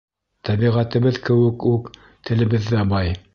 Тәбиғәтебеҙ кеүек үк, телебеҙ ҙә бай.